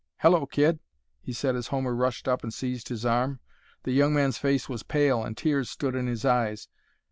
Hello, kid!" he said as Homer rushed up and seized his arm; the young man's face was pale and tears stood in his eyes.